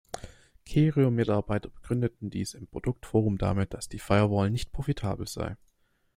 Kerio-Mitarbeiter begründeten dies im Produkt-Forum damit, dass die Firewall nicht profitabel sei.